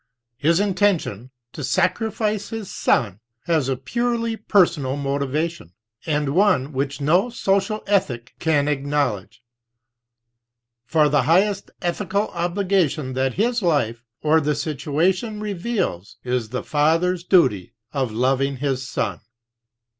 His intention to sacrifice his son has a purely personal motivation, and one which no social ethic can acknowl edge; for the highest ethical obligation that his life or the situa tion reveals is the father's duty of loving his son.